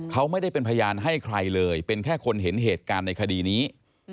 เขาไม่ได้เป็นพยานให้ใครเลยเป็นแค่คนเห็นเหตุการณ์ในคดีนี้